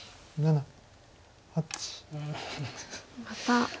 また。